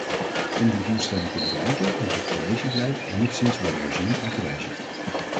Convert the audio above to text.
Om die doelstelling te bereiken, moet het cohesiebeleid enigszins worden herzien en gewijzigd.